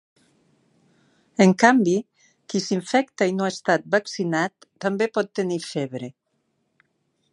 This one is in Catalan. En canvi, qui s’infecta i no ha estat vaccinat també pot tenir febre.